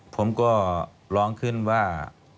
ผมก็ร้องขึ้นว่า